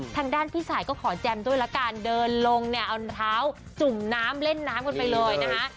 ทางด้านพี่สายก็ขอแจมด้วยละกันเดินลงเนี่ยเอาเท้าจุ่มน้ำเล่นน้ำกันไปเลยนะคะ